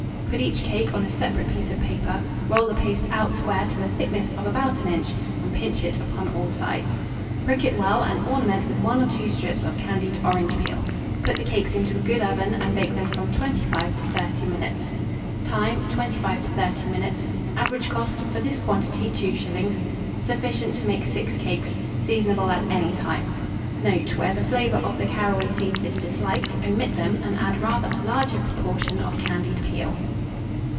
Put each cake on a separate piece of paper, roll the paste out square to the thickness of about an inch, and pinch it upon all sides. Prick it well, and ornament with one or two strips of candied orange peel. Put the cakes into a good oven, and bake them from 25 to 30 minutes. Time. 25 to 30 minutes. Average cost, for this quantity, 2s. Sufficient to make 6 cakes. Seasonable at any time. Note. Where the flavour of the caraway seeds is disliked, omit them, and add rather a larger proportion of candied peel.